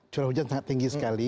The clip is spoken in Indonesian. curah hujan sangat tinggi sekali